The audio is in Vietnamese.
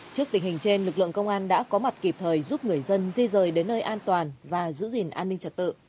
trước tình hình trên lực lượng công an đã có mặt kịp thời giúp người dân di rời đến nơi an toàn và giữ gìn an ninh trật tự